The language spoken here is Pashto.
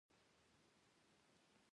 نور عسکر راکوز شول او ما د مرګ غوښتنه کوله